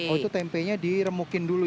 oh itu tempenya diremukin dulu